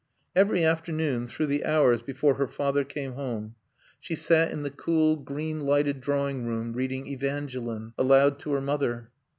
Every afternoon, through the hours before her father came home, she sat in the cool, green lighted drawing room reading Evangeline aloud to her mother.